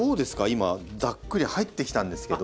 今ざっくり入ってきたんですけど。